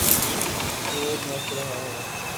شور مچ رہا ہے۔